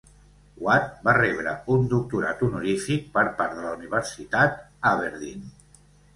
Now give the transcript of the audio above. Watt va rebre un doctorat honorífic per part de la Universitat Aberdeen.